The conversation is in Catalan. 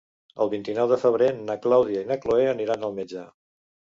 El vint-i-nou de febrer na Clàudia i na Cloè aniran al metge.